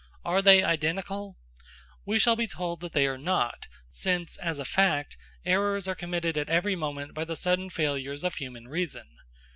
Are they identical? We shall be told that they are not, since, as a fact, errors are committed at every moment by the sudden failures of human reason.